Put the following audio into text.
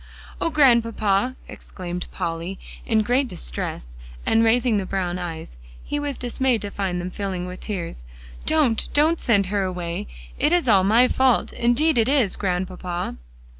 "Oh, Grandpapa!" exclaimed Polly, in great distress, and raising the brown eyes he was dismayed to find them filling with tears "don't, don't send her away! It is all my fault; indeed it is, Grandpapa!"